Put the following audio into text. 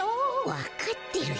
わかってるよ。